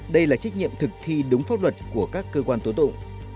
đây là trách nhiệm thực thi đúng pháp luật của các cơ quan tố tụng